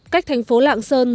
cách thành phố lạng sơn